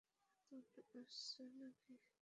নতুন এসেছ নাকি?